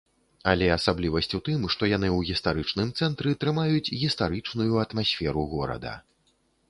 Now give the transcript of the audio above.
Але асаблівасць у тым, што яны ў гістарычным цэнтры, трымаюць гістарычную атмасферу горада.